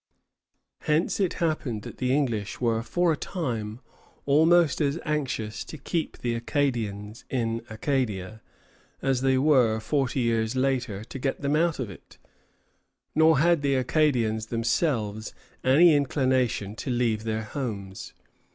Hence it happened that the English were for a time almost as anxious to keep the Acadians in Acadia as they were forty years later to get them out of it; nor had the Acadians themselves any inclination to leave their homes.